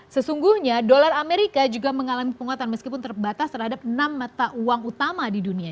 sesungguhnya dolar amerika juga mengalami penguatan meskipun terbatas terhadap enam mata uang utama di dunia